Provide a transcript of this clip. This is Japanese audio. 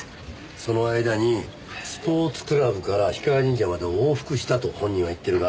その間にスポーツクラブから氷川神社までを往復したと本人は言ってるが。